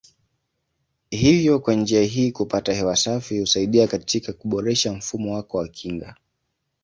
Hivyo kwa njia hii kupata hewa safi husaidia katika kuboresha mfumo wako wa kinga.